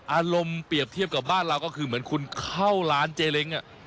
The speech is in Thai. อารมณ์เปรียบเทียบกับบ้านเราก็คือเหมือนคุณเข้าร้านเจเล้ง